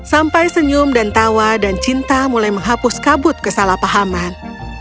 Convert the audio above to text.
sampai senyum dan tawa dan cinta mulai menghapus kabut kesalahpahaman